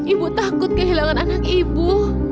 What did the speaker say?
ibu takut kehilangan anak ibu